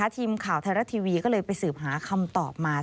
ทีมข่าวไทยรัฐทีวีก็เลยไปสืบหาคำตอบมา